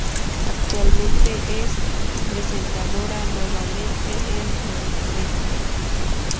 Actualmente es presentadora nuevamente en Repretel.